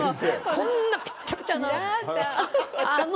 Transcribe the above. こんなピッタピタの。